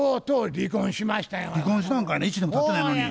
離婚したんかいな１年もたってないのに。